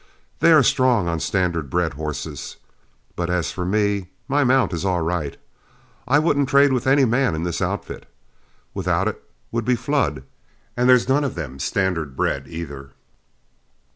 They are strong on standard bred horses; but as for me, my mount is all right. I wouldn't trade with any man in this outfit, without it would be Flood, and there's none of them standard bred either.